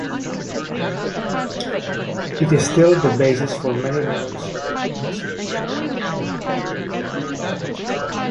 It is still the basis for many modern surgical dressings.